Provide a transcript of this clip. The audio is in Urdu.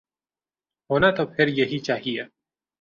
ہونا تو پھر یہ چاہیے۔